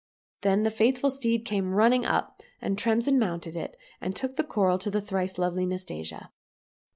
Then the faithful steed came running up, and Tremsin mounted it, and took the coral to the thrice lovely Nastasia.